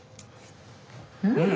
うん！